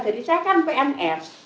jadi saya kan pns